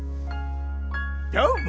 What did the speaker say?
どーも！